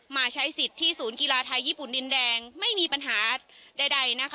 มาใช้สิทธิ์ที่ศูนย์กีฬาไทยญี่ปุ่นดินแดงไม่มีปัญหาใดนะคะ